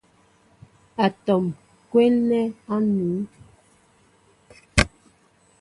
Atɔm kwélnɛ a nuu.